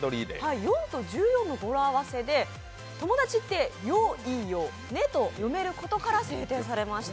４と１４の語呂合わせで、「友達ってよいヨ」ネ！と」読めることから制定されました。